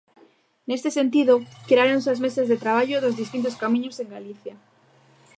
Neste sentido, creáronse as mesas de traballo dos distintos camiños en Galicia.